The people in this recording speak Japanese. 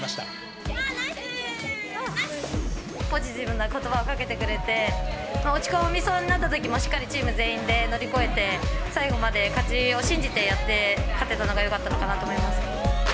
ポジティブなことばをかけてくれて、落ち込みそうになったときも、しっかりチーム全員で乗り越えて、最後まで勝ちを信じてやって勝てたのがよかったのかなと思います。